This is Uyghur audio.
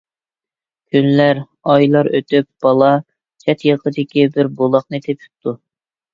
كۈنلەر، ئايلار ئۆتۈپ بالا چەت - ياقىدىكى بىر بۇلاقنى تېپىپتۇ.